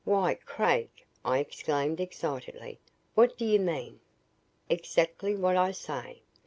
"Why, Craig," I exclaimed excitedly, "what do you mean?" "Exactly what I say.